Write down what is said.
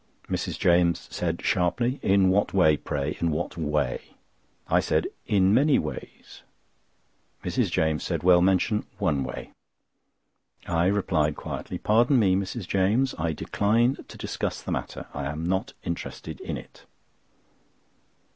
Mrs. James said sharply: "In what way, pray—in what way?" I said: "In many ways." Mrs. James said: "Well, mention one way." I replied quietly: "Pardon me, Mrs. James; I decline to discuss the matter. I am not interested in it."